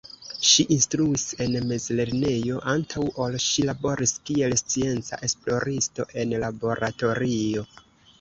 Ŝi instruis en mezlernejo antaŭ ol ŝi laboris kiel scienca esploristo en laboratorio.